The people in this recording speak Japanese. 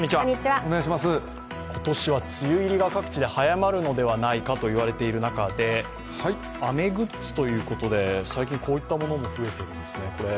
今年は梅雨入りが各地で早まるのではないかと言われている中で雨グッズということで、最近こういったものが増えているんですね。